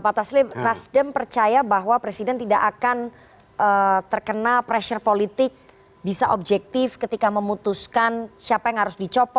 pak taslim nasdem percaya bahwa presiden tidak akan terkena pressure politik bisa objektif ketika memutuskan siapa yang harus dicopot